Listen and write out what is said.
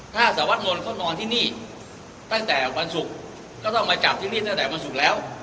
ถ้าสวดมนต์เขานอนที่นี่ตั้งแต่วันศุกร์ก็ต้องมาจับที่นี่ตั้งแต่วันศุกร์แล้ว